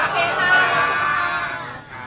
โอเคค่ะ